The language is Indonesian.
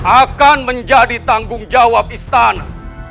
akan menjadi tanggung jawab istana